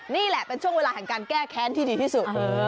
นี่แหละเป็นช่วงเวลาแห่งการแก้แค้นที่ดีที่สุด